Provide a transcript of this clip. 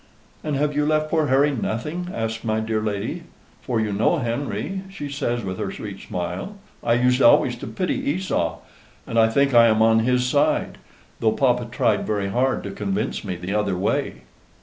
"And have you left poor Harry nothing?" asks my dear lady: "for you know, Henry," she says with her sweet smile, "I used always to pity Esau and I think I am on his side though papa tried very hard to convince me the other way."